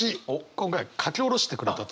今回書き下ろしてくれたということで。